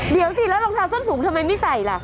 เดี๋ยวสิแล้วรองเท้าส้นสูงทำไมไม่ใส่ล่ะ